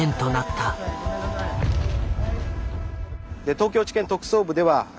東京地検特捜部では。